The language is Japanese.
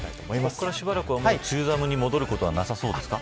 ここからしばらくは梅雨寒に戻ることはなさそうですか。